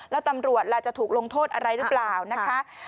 แล้วตำรวจล่ะจะถูกลงโทษอะไรหรือเปล่านะคะ